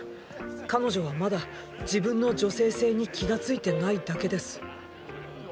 彼女はまだ自分の女性性に気が付いてないだけです。